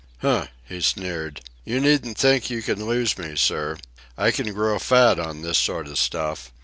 "Huh!" he sneered. "You needn't think you can lose me, sir. I can grow fat on this sort of stuff.